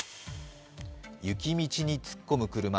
雪道に突っ込む車。